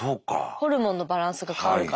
ホルモンのバランスが変わるから。